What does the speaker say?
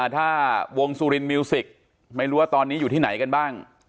ถ้าวงสุรินมิวสิกไม่รู้ว่าตอนนี้อยู่ที่ไหนกันบ้าง